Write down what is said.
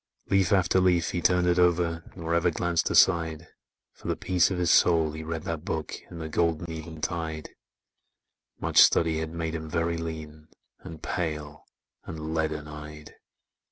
Leaf after leaf he turned it o'er Nor ever glanced aside, For the peace of his soul he read that book In the golden eventide: Much study had made him very lean, And pale, and leaden eyed.